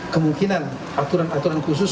kemungkinan aturan aturan khusus